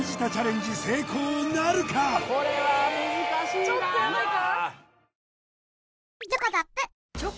見事これは難しいなちょっとやばいか？